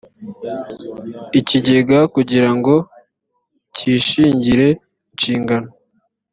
ikigega kugira ngo cyishingire inshingano